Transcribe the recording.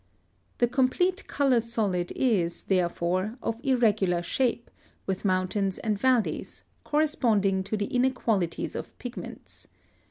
(126) The complete color solid is, therefore, of irregular shape, with mountains and valleys, corresponding to the inequalities of pigments.